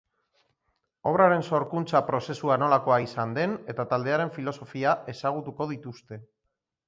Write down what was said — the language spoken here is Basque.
Obraren sorkuntza prozesua nolakoa izan den eta taldearen filosofia ezagutuko dituzte.